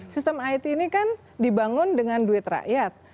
sistem it ini kan dibangun dengan duit rakyat